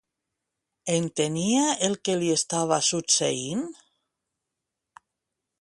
Entenia el que li estava succeint?